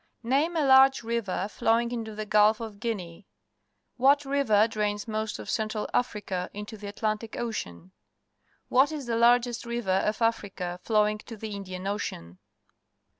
Name a large river flowing into the Gulf of Guinea. What river drains most of Central Africa into the Atlantic Ocean? ^Miat is the largest river of Africa flowing to the Indian Ocean?